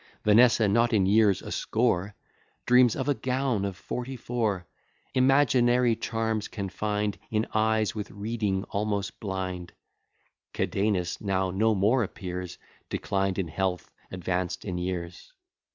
Vanessa, not in years a score, Dreams of a gown of forty four; Imaginary charms can find In eyes with reading almost blind: Cadenus now no more appears Declined in health, advanced in years.